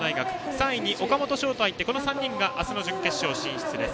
３位に岡本祥が入ってこの３人が明日の準決勝進出です。